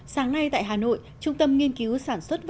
sáng nay tại hà nội trung tâm nghiên cứu sản xuất văn hóa